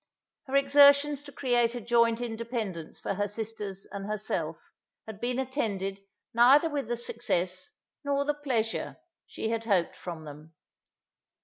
Her exertions to create a joint independence for her sisters and herself, had been attended, neither with the success, nor the pleasure, she had hoped from them.